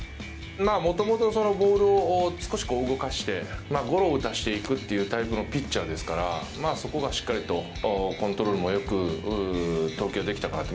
もともとボールを少し動かしてゴロを打たしていくタイプのピッチャーですからそこがしっかりとコントロールもよく投球ができたかなと。